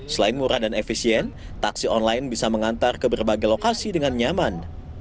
selain murah dan efisien taksi online bisa mengantar ke berbagai lokasi dengan nyaman